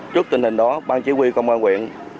trước tình hình đó ban chỉ huy công an quyện